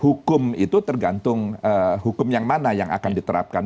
hukum itu tergantung hukum yang mana yang akan diterapkan